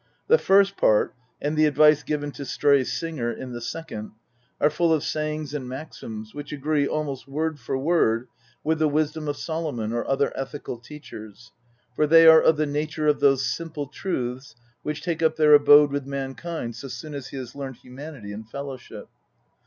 The first Part, and the advice given to Stray Singer in the second, are full of sayings and maxims which agree almost word for word with the wisdom of Solomon or other ethical teachers, for they are of the nature of those simple truths which take up their abode with mankind so soon as he has learned humanity and fellowship.